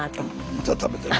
また食べてる。